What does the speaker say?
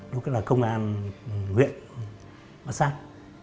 lúc đó là công an nguyện bắt sát